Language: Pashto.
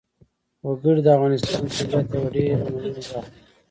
وګړي د افغانستان د طبیعت یوه ډېره مهمه برخه ګڼل کېږي.